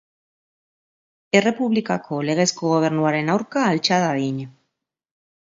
Errepublikako legezko gobernuaren aurka altxa dadin.